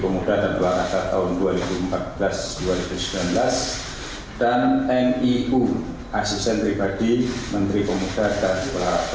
para tersangka ditudang melanggar pasal dua belas huruf a atau huruf b